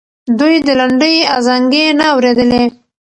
دوی د لنډۍ ازانګې نه اورېدلې.